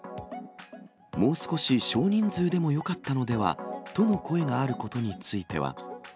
もう少し少人数でもよかったのではとの声があることについては。